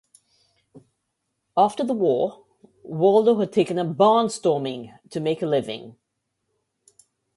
After the war, Waldo had taken up barnstorming to make a living.